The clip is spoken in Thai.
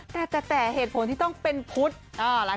แต่แต่เหตุผลที่ต้องเป็นพุทธ